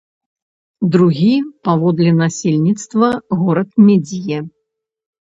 Другі паводле насельніцтва горад медзье.